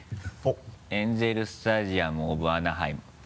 「エンゼル・スタジアム・オブ・アナハイム」